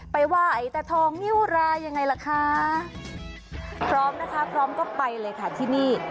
ไปไหว้ไอ้ตาทองนิ้วรายยังไงล่ะคะพร้อมนะคะพร้อมก็ไปเลยค่ะที่นี่